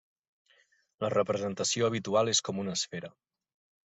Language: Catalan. La representació habitual és com una esfera.